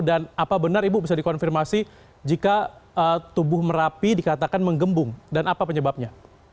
dan apa benar ibu bisa dikonfirmasi jika tubuh merapi dikatakan menggembung dan apa penyebabnya